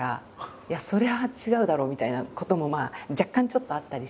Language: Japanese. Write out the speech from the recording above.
「いやそれは違うだろ」みたいなこともまあ若干ちょっとあったりして。